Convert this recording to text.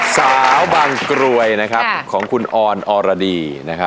สาวบางกล่วยของคุณอรอลดี